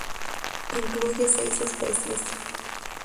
Incluye seis especies.